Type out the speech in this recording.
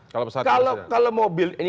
kalau pesawat kepresidenan kalau mobil ini